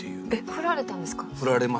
フラれたんですか？